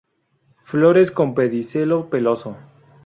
Flores con pedicelo peloso.